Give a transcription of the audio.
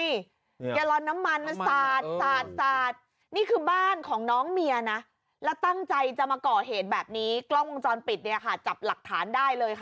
นี้เยอะนี้คือบ้านของน้องเมียนะแล้วตั้งใจจะมาเกราะเหตุแบบนี้กล้องพังจอดปิดเนี่ยงานจับหลักฐานได้เลย